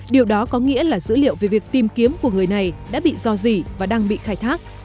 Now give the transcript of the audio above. điều đó có nghĩa là dữ liệu về việc tìm kiếm của người này đã bị dò dỉ và đang bị khai thác